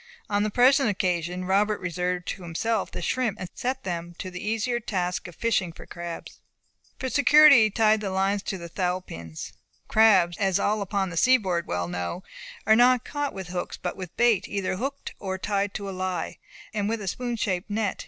On the present occasion, Robert reserved to himself the shrimp, and set them to the easier task of fishing for crabs. For security he tied the lines to the thowl pins. Crabs, as all upon the seaboard well know, are not caught with hooks, but with bait either hooked or tied to a lie, and with a spoon shaped net.